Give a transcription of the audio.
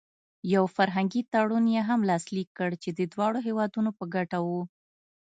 یو فرهنګي تړون یې هم لاسلیک کړ چې د دواړو هېوادونو په ګټه و.